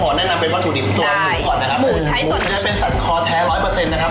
เริ่มจากต้องขอแนะนำเป็นว่าถูดิบตัวของหมูก่อนนะครับ